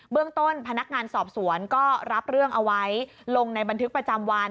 เรื่องต้นพนักงานสอบสวนก็รับเรื่องเอาไว้ลงในบันทึกประจำวัน